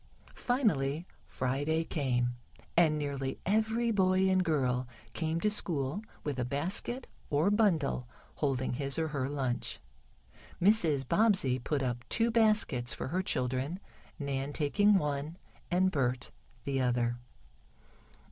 Finally Friday came, and nearly every boy and girl came to school with a basket or bundle holding his or her lunch. Mrs. Bobbsey put up two baskets for her children, Nan taking one and Bert the other.